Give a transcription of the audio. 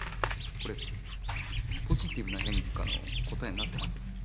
これ「ポジティブな変化」の答えになってます？